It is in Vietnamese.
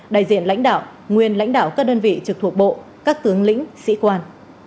đại diện lãnh đạo nguyên lãnh đạo các đơn vị trực thuộc bộ các tướng lĩnh sĩ quan